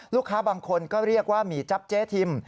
ลูกค้าบางคนก็เรียกว่าหมี่จั๊บเจธิม